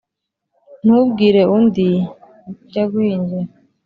Ntumbwire undi njya guhingira